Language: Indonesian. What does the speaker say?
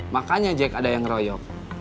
makanya jack ada yang ngeroyok